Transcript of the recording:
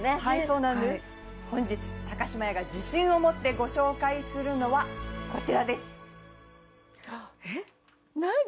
はいそうなんです本日島屋が自信を持ってご紹介するのはこちらですあっ何？